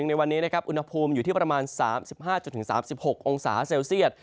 ในวันนี้นะครับอุณหภูมิอยู่ที่ประมาณ๓๕๓๖องศาเซลเซียต